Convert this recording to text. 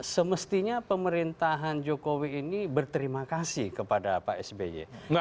semestinya pemerintahan jokowi ini berterima kasih kepada pak sby